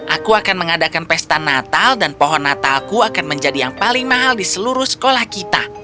aku akan mengadakan pesta natal dan pohon natalku akan menjadi yang paling mahal di seluruh sekolah kita